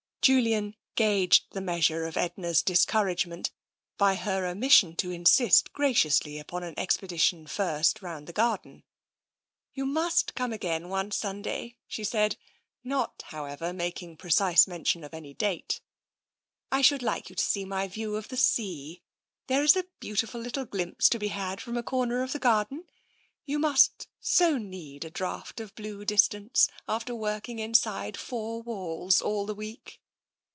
Julian gauged the measure of Edna's discouragement by her omission to insist graciously upon an expedition first round the garden. " You must come again one Sunday," she said, not, however, making precise mention of any date. " I should like you to see my view of the sea. There is a beautiful little glimpse to be had from a corner of the garden. ... You must so need a draught of blue distance after working inside four walls all the week."